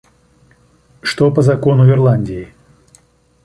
Что по закону Ирландии?